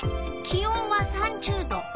気温は３０℃。